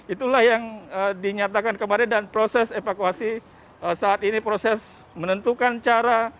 itulah yang dinyatakan kemarin dan proses evakuasi saat ini proses menentukan cara